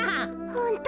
ホント。